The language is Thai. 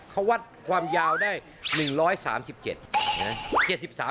เขาวัดความยาวได้๑๓๗เห็นไหม